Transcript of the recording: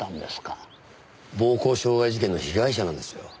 暴行傷害事件の被害者なんですよ。